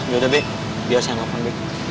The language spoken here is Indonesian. yaudah baik biar saya nangkong